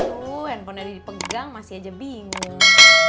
aduh handphonenya dipegang masih aja bingung